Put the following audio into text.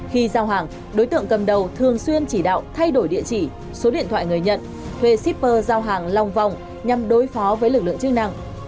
khi giao hàng đối tượng cầm đầu thường xuyên chỉ đạo thay đổi địa chỉ số điện thoại người nhận thuê shipper giao hàng long vòng nhằm đối phó với lực lượng chức năng